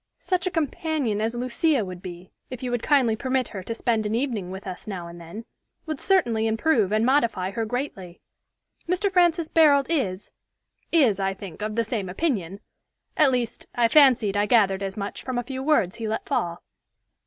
Such a companion as Lucia would be, if you would kindly permit her to spend an evening with us now and then, would certainly improve and modify her greatly. Mr. Francis Barold is is, I think, of the same opinion; at least, I fancied I gathered as much from a few words he let fall."